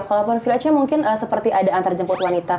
kalau privilege nya mungkin seperti ada antar jemput wanita